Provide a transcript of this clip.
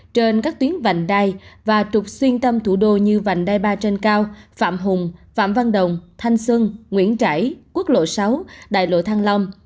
trên các tuyến vành đai và trục xuyên tâm thủ đô như vành đai ba trên cao phạm hùng phạm văn đồng thanh xuân nguyễn trãi quốc lộ sáu đại lộ thăng long